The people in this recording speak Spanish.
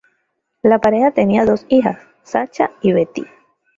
La pareja tenía dos hijas, Sasha y Beattie.